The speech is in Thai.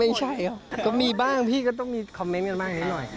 ไม่ใช่ครับก็มีบ้างพี่ก็ต้องมีคอมเมนต์กันบ้างนิดหน่อย